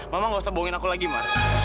mama gak usah bohongin aku lagi mar